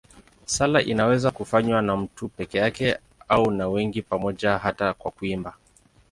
Sala inaweza kufanywa na mtu peke yake au na wengi pamoja, hata kwa kuimba.